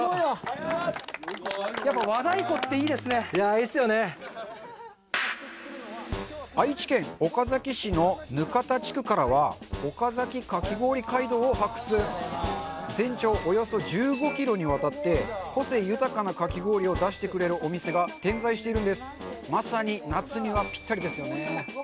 いいっすよね愛知県岡崎市の額田地区からはおかざきかき氷街道を発掘全長およそ１５ｋｍに渡って個性豊かなかき氷を出してくれるお店が点在しているんですまさに夏にはぴったりですよね